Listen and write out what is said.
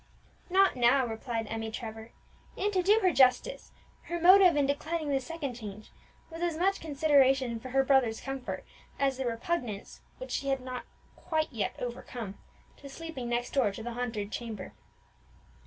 "Not now," replied Emmie Trevor; and, to do her justice, her motive in declining the second change was as much consideration for her brother's comfort as the repugnance, which she had not yet quite overcome, to sleeping next door to the haunted chamber.